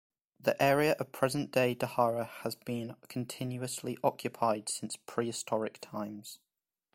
The area of present-day Tahara has been continuously occupied since prehistoric times.